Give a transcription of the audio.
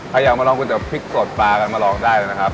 ถ้าอยากไปมากินกับพริกสดปลากันมาลองด้วยครับ